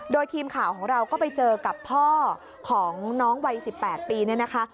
โดยทีมข่าวของเราก็ไปเจอกับพ่อของน้องวัย๑๘ปีเนี่ยนะคะ